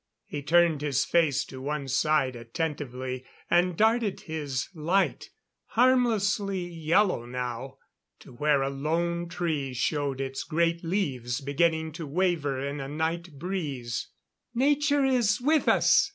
He turned his face to one side attentively, and darted his light harmlessly yellow now to where a lone tree showed its great leaves beginning to waver in a night breeze. "Nature is with us!